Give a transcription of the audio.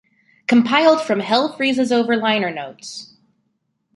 Compiled from "Hell Freezes Over" liner notes.